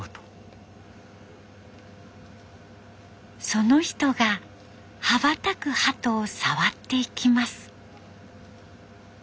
その人が羽ばたくはとを触っていきます。